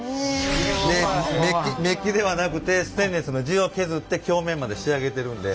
でメッキではなくてステンレスの地を削って表面まで仕上げてるんで。